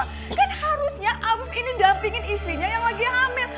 kan harusnya abu ini dampingin istrinya yang lagi hamil